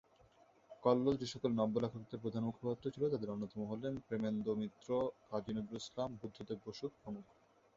কল্লোল যেসকল নব্য-লেখকদের প্রধান মুখপাত্র ছিল, যাদের অন্যতম হলেন প্রেমেন্দ্র মিত্র, কাজী নজরুল ইসলাম, বুদ্ধদেব বসু প্রমুখ।